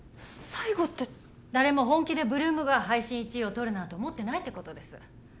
最後って誰も本気で８ＬＯＯＭが配信１位をとるなんて思ってないってことです